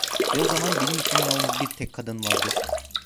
Ve o zaman benim için yalnız bir tek kadın vardır.